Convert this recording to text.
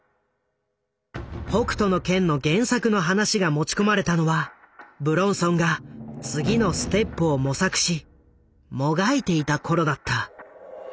「北斗の拳」の原作の話が持ち込まれたのは武論尊が次のステップを模索しもがいていた頃だった。